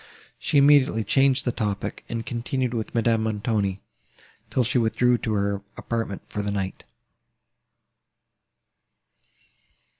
She immediately changed the topic, and continued with Madame Montoni, till she withdrew to her apartment for the night.